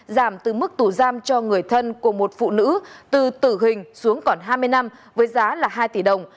giảm từ mức tủ giam cho người thân của một phụ nữ từ tử hình xuống còn hai mươi năm với giá là hai tỷ đồng